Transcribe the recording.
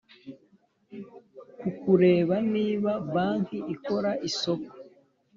ku kureba niba banki ikora isoko